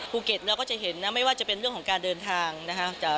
ภูเก็ตเราก็จะเห็นนะไม่ว่าจะเป็นเรื่องของการเดินทางนะคะ